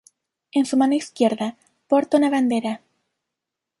En su mano izquierda porta una bandera.